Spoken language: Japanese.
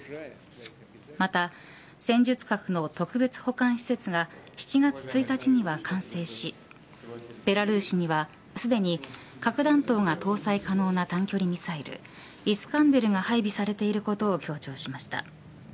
また戦術核の特別保管施設が７月１日には完成しベラルーシにはすでに核弾頭が搭載可能な短距離ミサイルイスカンデルが配備されていることを強調しました。